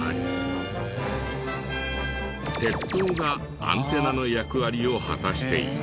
鉄塔がアンテナの役割を果たしていた。